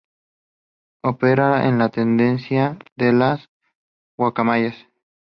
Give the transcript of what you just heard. Opera en la Tenencia de Las Guacamayas.